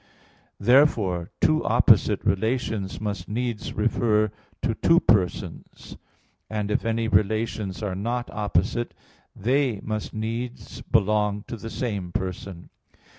Therefore two opposite relations must needs refer to two persons: and if any relations are not opposite they must needs belong to the same person.